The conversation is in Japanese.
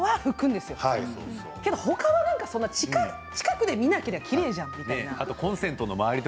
でもほかは近くで見なければきれいじゃん、みたいな。